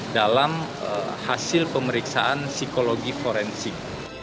dalam hasil pemeriksaan psikologi forensik